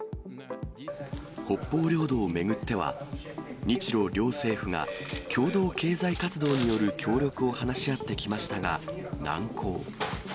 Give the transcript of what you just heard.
北方領土を巡っては、日ロ両政府が共同経済活動による協力を話し合ってきましたが難航。